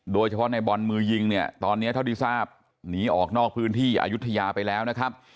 โดยเฉพาะในบอลมือยิงเนี่ยตอนนี้เท่าที่ทราบหนีออกนอกพื้นที่อายุทยาไปแล้วนะครับ